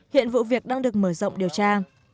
hiện vụ việc đang được mở rộng điều tra